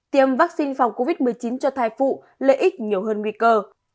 tiêm vaccine phòng covid một mươi chín cho thai phụ lợi ích nhiều hơn nguy cơ